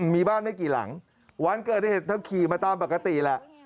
มีบ้านไม่กี่หลังวันเกิดเหตุเธอขี่มาตามปกติแหละ